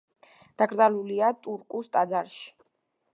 დაკრძალულია ტურკუს ტაძარში.